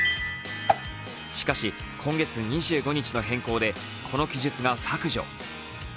しかし、今月２５日の変更でこの記述が削除。